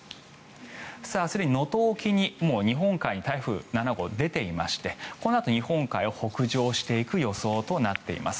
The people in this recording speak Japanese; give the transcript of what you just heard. すでに能登沖に、日本海にもう台風７号は出ていましてこのあと日本海を北上していく予想となっています。